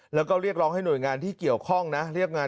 แล้วก็เรียกร้องให้หน่วยงานที่เกี่ยวข้องนะเรียกงาน